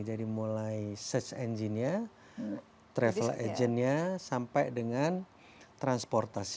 jadi mulai search engine nya travel agent nya sampai dengan transportasi